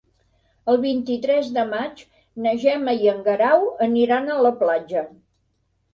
El vint-i-tres de maig na Gemma i en Guerau aniran a la platja.